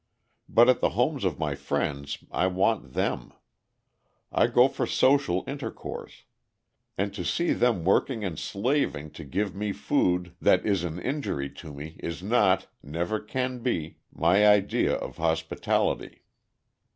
But at the homes of my friends I want them; I go for social intercourse; and to see them working and slaving to give me food that is an injury to me is not, never can be, my idea of hospitality.